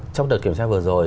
trong đợt kiểm tra vừa rồi